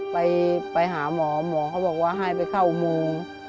ไปหาหมอหมอกันบอกจะปะให้เข้ามุง